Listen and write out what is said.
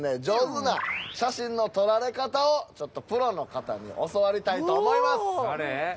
上手な写真の撮られ方をちょっとプロの方に教わりたいと思います！